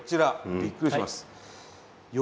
びっくりします。